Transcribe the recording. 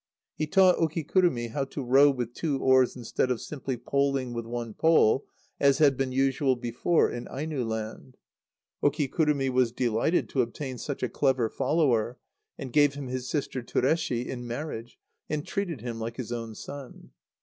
He taught Okikurumi how to row with two oars instead of simply poling with one pole, as had been usual before in Aino land. Okikurumi was delighted to obtain such a clever follower, and gave him his sister Tureshi[hi] in marriage, and treated him like his own son.